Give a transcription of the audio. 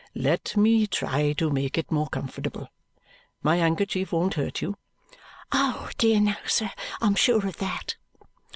"Let me try to make it more comfortable. My handkerchief won't hurt you." "Oh, dear no, sir, I'm sure of that!"